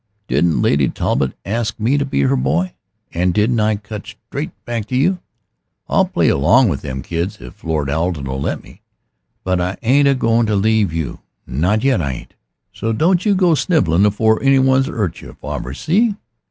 Didn't Lady Talbot ask me to be her boy and didn't I cut straight back to you? I'll play along o' them kids if Lord Arden'll let me. But I ain't a goin' to leave you, not yet I ain't. So don't you go snivelling afore any one's 'urt yer, farver. See?"